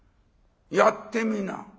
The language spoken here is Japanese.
やってみな」。